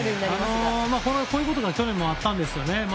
こういうことが去年もあったんですよね。